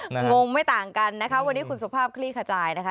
งงไม่ต่างกันนะคะวันนี้คุณสุภาพคลี่ขจายนะคะ